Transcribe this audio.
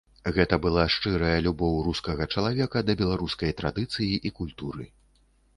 Гэта была шчырая любоў рускага чалавека да беларускай традыцыі і культуры.